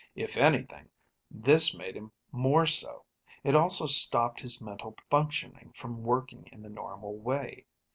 If anything, this made him more so. It also stopped his mental functioning from working in the normal way.